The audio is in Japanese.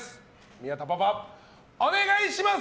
宮田パパ、お願いします！